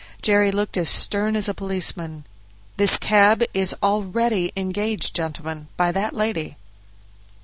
Jerry looked as stern as a policeman. "This cab is already engaged, gentlemen, by that lady."